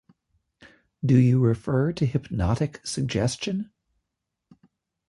Do you refer to hypnotic suggestion?